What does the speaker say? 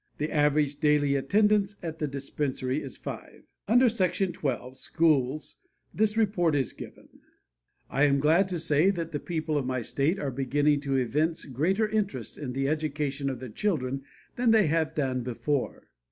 The average daily attendance at the dispensary is five." Under Section 12, Schools, this report is given: "I am glad to say that the people of my state are beginning to evince greater interest in the education of their children than they have done before.